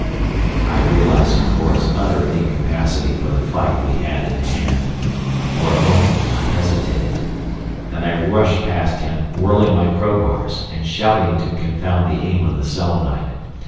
I realised Cavor's utter incapacity for the fight we had in hand. For a moment I hesitated. Then I rushed past him whirling my crowbars, and shouting to confound the aim of the Selenite.